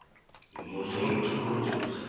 望むところでござる。